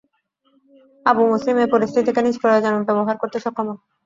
Abu Muslim এই পরিস্থিতিকে নিজ প্রয়োজনে ব্যবহার করতে সক্ষম হন।